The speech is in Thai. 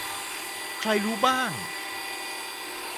ใครรู้บ้าง